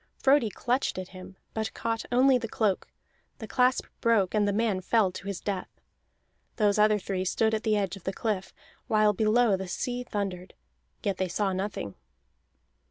Frodi clutched at him, but caught only the cloak; the clasp broke, and the man fell to his death. Those other three stood at the edge of the cliff, while below the sea thundered, yet they saw nothing.